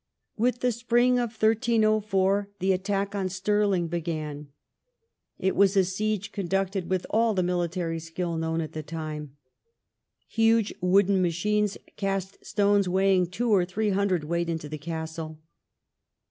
With the spring of 1304 the attack on Stirling began. It was a siege conducted with all the military skill known at the time. Huge wooden machines cast stones weighing two or three hundredweight into the castle.